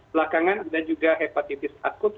belakangan ada juga hepatitis akut